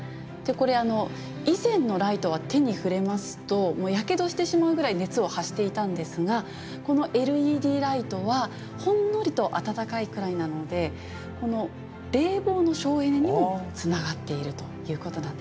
これ以前のライトは手に触れますとやけどしてしまうぐらい熱を発していたんですがこのＬＥＤライトはほんのりと温かいくらいなので冷房の省エネにもつながっているということなんです。